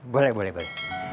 boleh boleh boleh